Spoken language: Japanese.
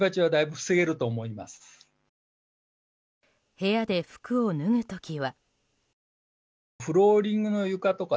部屋で服を脱ぐ時は。